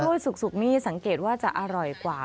และกล้วยสุกนี่สังเกตว่าจะอร่อยกว่า